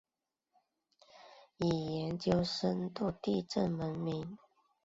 以研究深层地震闻名。